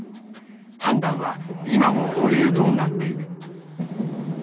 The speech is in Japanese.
判断は今も保留となっている。